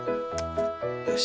よし。